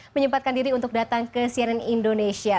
menyempatkan diri untuk datang ke cnn indonesia